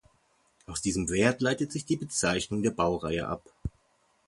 Aus diesem Wert leitet sich die Bezeichnung der Baureihe ab.